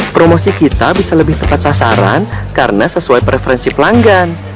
promosi kita bisa lebih tepat sasaran karena sesuai preferensi pelanggan